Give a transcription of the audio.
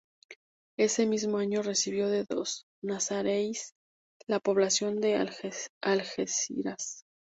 Ese mismo año recibió de los nazaríes la población de Algeciras.